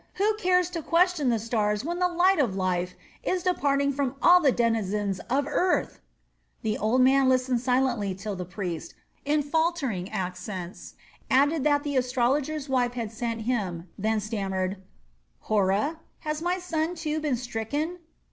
Who cares to question the stars when the light of life is departing from all the denizens of earth!" The old man listened silently till the priest, in faltering accents, added that the astrologer's wife had sent him, then he stammered: "Hora? Has my son, too, been stricken?"